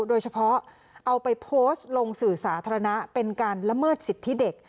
โดยเฉพาะเอาไปโพสต์ลงสื่อสาธารณะเป็นการละเมิดสิทธิเด็ก